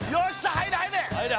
入れ入れ！